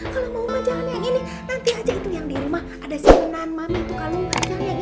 kalau mau mah jangan yang ini nanti aja itu yang di rumah ada simpenan mami itu kalung